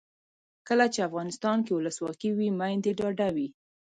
کله چې افغانستان کې ولسواکي وي میندې ډاډه وي.